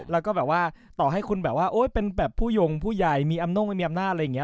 แล้วก็แบบว่าต่อให้คุณแบบว่าเป็นแบบผู้ยงผู้ใหญ่มีอำน่งไม่มีอำนาจอะไรอย่างนี้